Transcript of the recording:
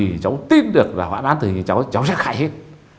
thì cháu tin được là hoãn án tử hình thì cháu sẽ khai hết